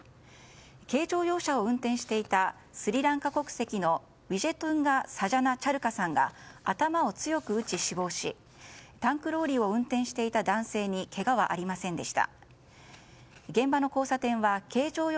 軽乗用車を運転していたスリランカ国籍のウィジェトゥンガ・サジャナ・チャルカさんが頭を強く打ち死亡しタンクローリーを運転していた男性にけがはありませんでした。